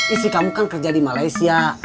istri kamu kan kerja di malaysia